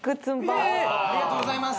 ありがとうございます。